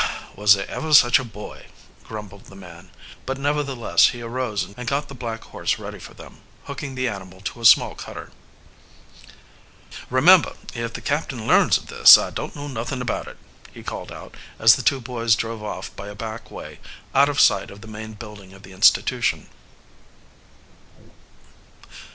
"Was there ever such a boy!" grumbled the man; but, nevertheless, he arose and got the black horse ready for them, hooking the animal to a small cutter. "Remember, if the captain learns of this, I don't know nothing about it...," he called out, as the two boys drove off by a back way, out of sight of the main building of the institution.